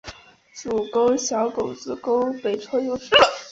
主沟小口子沟北侧有寺。